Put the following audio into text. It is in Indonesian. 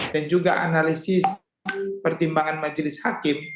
dan juga analisis pertimbangan majelis hakim